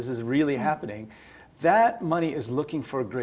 mereka mengambil uang satu euro